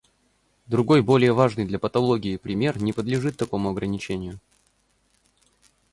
Другой более важный для патологии пример не подлежит такому ограничению.